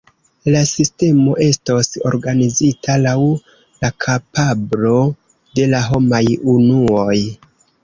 La sistemo estos organizita laŭ la kapablo de la homaj unuoj.